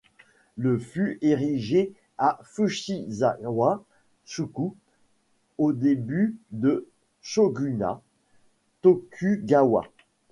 Le fut érigé à Fujisawa-shuku au début du Shogunat Tokugawa.